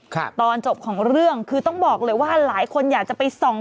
ตอนจบของเรื่องคือต้องบอกเลยว่าหลายคนอยากจะไปส่อง